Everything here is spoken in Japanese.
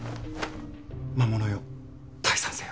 魔物よ退散せよ。